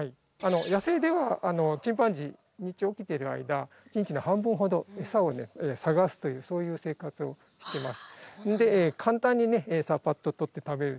野生ではチンパンジー日中起きてる間一日の半分ほどエサをね探すというそういう生活をしてます。